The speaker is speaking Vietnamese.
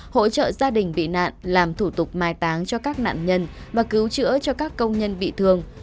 hỗ trợ gia đình bị nạn làm thủ tục mai táng cho các nạn nhân và cứu chữa cho các công nhân bị thương